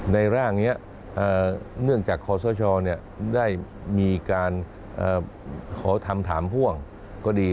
ร่างนี้เนื่องจากขอสชได้มีการขอทำถามห่วงก็ดี